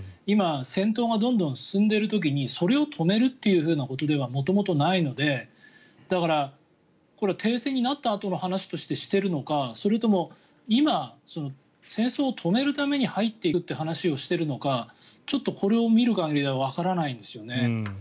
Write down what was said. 今戦闘がどんどん進んでいる時にそれを止めるということでは元々ないのでだから停戦になったあとの話としてしているのかそれとも今、戦争を止めるために入っていくっていう話をしているのかちょっとこれを見る限りではわからないんですよね。